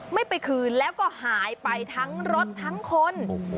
ไม่ไปคืนแล้วก็หายไปทั้งรถทั้งคน